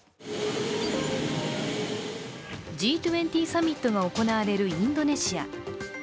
Ｇ２０サミットが行われるインドネシア。